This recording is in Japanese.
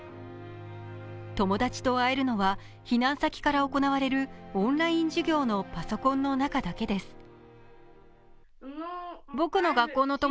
友達と会えるのは避難先から行われるオンライン授業のパソコンの中だけです。